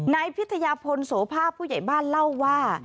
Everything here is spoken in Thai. นายพิทยาพลโสภาพผู้ใหญ่บ้านเล่าว่า